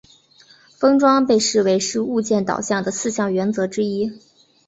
封装被视为是物件导向的四项原则之一。